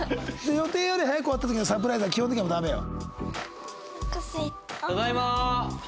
予定より早く終わった時のサプライズは基本的にはダメよ。